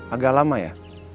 agak lama ya